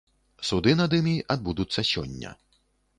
Суды над імі адбудуцца сёння.